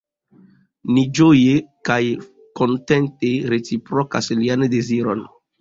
Ni ĝoje kaj kontente reciprokas lian deziron.